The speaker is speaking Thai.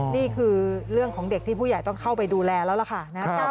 นี่คือเรื่องของเด็กที่ผู้ใหญ่ต้องเข้าไปดูแลแล้วล่ะค่ะ